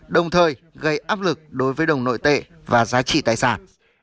đồng thời gây áp lực đối với đồng nội tệ và giá trị tài sản